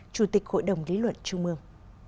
chủ tịch hội đồng lý luận trung mương